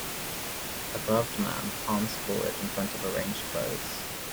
A gloved man palms forward in front of arranged clothes.